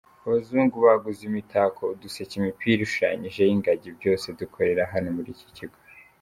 Abazungu baguze imitako, uduseke, imipira ishushanyijeho ingagi byose dukorerara hano muri iki kigo”.